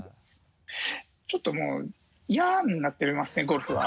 ちょっともう嫌になってますねゴルフは。